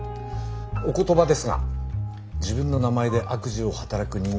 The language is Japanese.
お言葉ですが自分の名前で悪事を働く人間がいるでしょうか？